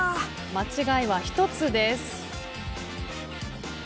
間違いは１つです。